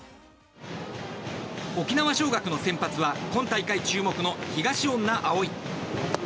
沖縄尚学の先発は今大会注目の東恩納蒼。